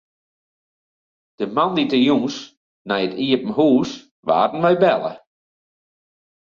De moandeitejûns nei it iepen hús waarden wy belle.